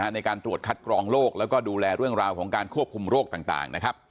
ในการตรวจคัดกรองโรคแล้วก็ดูแลเรื่องราวของการควบคุมโรคต่างนะครับ